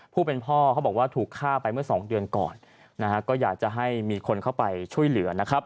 ผู้เป็นพ่อเขาบอกว่าถูกฆ่าไปเมื่อสองเดือนก่อนนะฮะก็อยากจะให้มีคนเข้าไปช่วยเหลือนะครับ